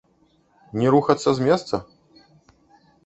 Не рухацца з месца?